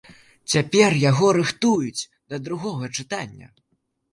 Цяпер яго рыхтуюць да другога чытання.